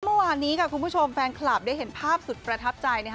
เมื่อวานนี้ค่ะคุณผู้ชมแฟนคลับได้เห็นภาพสุดประทับใจนะคะ